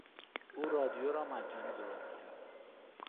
او رادیو را مجانی درست کرد.